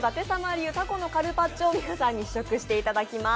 流・たこのカルパッチョを皆さんに試食していただきます。